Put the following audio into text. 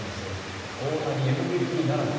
大谷ＭＶＰならず。